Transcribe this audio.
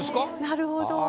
なるほど。